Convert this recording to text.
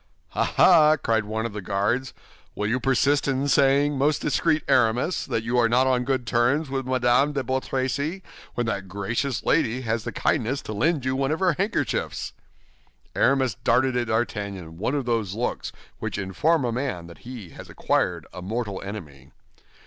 "Ah, ah!" cried one of the Guards, "will you persist in saying, most discreet Aramis, that you are not on good terms with Madame de Bois Tracy, when that gracious lady has the kindness to lend you one of her handkerchiefs?" Aramis darted at D'Artagnan one of those looks which inform a man that he has acquired a mortal enemy.